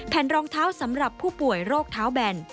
รองเท้าสำหรับผู้ป่วยโรคเท้าแบน